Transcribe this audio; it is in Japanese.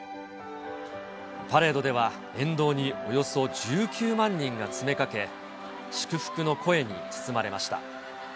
パレードでは沿道におよそ１９万人が詰めかけ、祝福の声に包まれました。